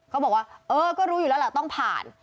เขาบอกว่าเออก็รู้อยู่แล้วแหละต้องผ่าน